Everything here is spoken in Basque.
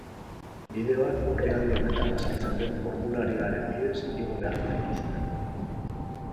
Bideoak orrialde honetan azaltzen den formularioaren bidez igo beharko dituzue.